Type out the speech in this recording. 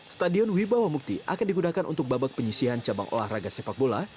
stadion wibawa mukti akan digunakan untuk babak penyisihan cabang olahraga sepak bola